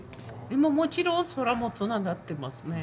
もちろん空もつながってますね。